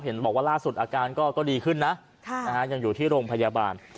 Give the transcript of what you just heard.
เห็นบอกว่าล่าสุดอาการก็ก็ดีขึ้นนะค่ะอ่ายังอยู่ที่โรงพยาบาล